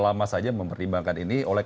lama saja mempertimbangkan ini oleh